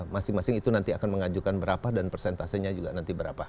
masing masing itu nanti akan mengajukan berapa dan persentasenya juga nanti berapa